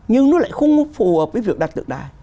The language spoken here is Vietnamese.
nhưng nó lại không có phù hợp với việc đặt tượng đài